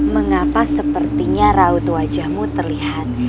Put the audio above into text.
mengapa sepertinya raut wajahmu terlihat